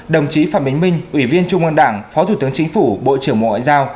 đồng chí phạm bình minh ủy viên trung ương đảng phó thủ tướng chính phủ bộ trưởng bộ ngoại giao